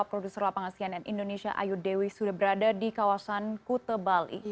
produser lapangan cnn indonesia ayu dewi sudah berada di kawasan kute bali